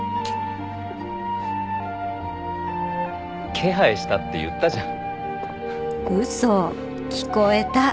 気配したって言ったじゃん。